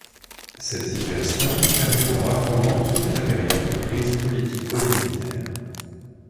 Cette situation perdurera pendant toute la période de crise politico-militaire.